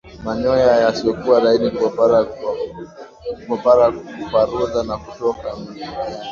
Manyoya yasiyokuwa laini kuparara kuparuza na kutoka mkiani